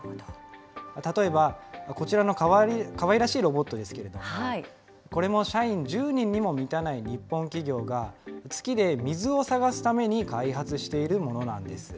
例えば、こちらのかわいらしいロボットですけれども、これも社員１０人にも満たない日本企業が、月で水を探すために開発しているものなんです。